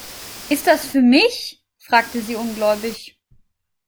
"Ist das für mich?", fragte sie ungläubig.